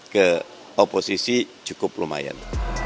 ke oposisi cukup lumayan